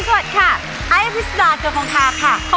วันนี้ค่ะ